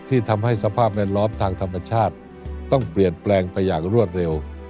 ทำให้สภาพแวดล้อมทางธรรมชาติต้องเปลี่ยนแปลงไปอย่างรวดเร็ว